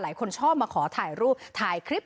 ชอบมาขอถ่ายรูปถ่ายคลิป